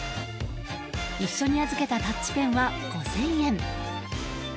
一緒に預けたタッチペンは５０００円。